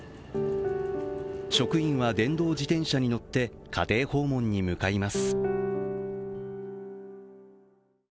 職員は電動自転車に乗って家庭訪問に向かいます。